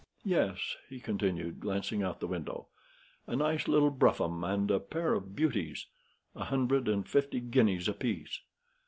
"Yes," he continued, glancing out of the window. "A nice little brougham and a pair of beauties. A hundred and fifty guineas apiece.